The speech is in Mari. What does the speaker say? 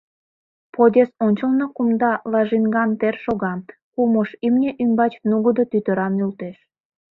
Подъезд ончылно кумда лажинган тер шога, кум ош имне ӱмбач нугыдо тӱтыра нӧлтеш.